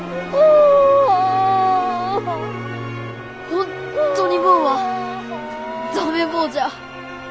本当に坊は駄目坊じゃ。